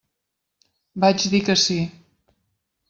Vaig dir que sí.